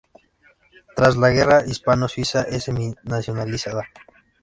Tras la guerra, Hispano Suiza es semi-nacionalizada.